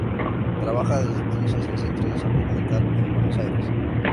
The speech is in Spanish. Trabajaba entonces en centros de salud mental, en Buenos Aires.